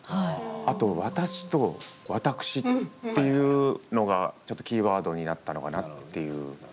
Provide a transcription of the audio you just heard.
あと「私」と「わたくし」っていうのがキーワードになったのかなっていう。